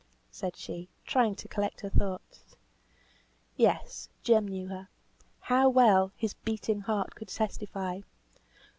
said she, trying to collect her thoughts. Yes, Jem knew her. How well, his beating heart could testify!